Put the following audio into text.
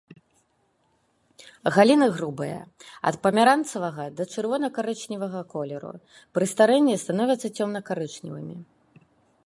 Галіны грубыя, ад памяранцавага да чырвона-карычневага колеру, пры старэнні становяцца цёмна-карычневымі.